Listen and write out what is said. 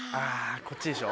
こっちでしょ。